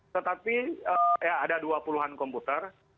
tetapi ada dua puluhan komputer